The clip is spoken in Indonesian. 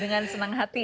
dengan senang hati